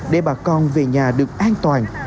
để bà con về nhà được an toàn